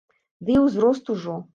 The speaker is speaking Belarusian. Ды і ўзрост ужо.